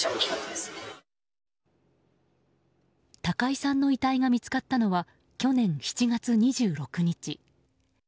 高井さんの遺体が見つかったのは去年７月２６日。